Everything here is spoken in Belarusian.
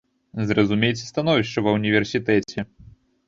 Зразумейце становішча ва ўніверсітэце.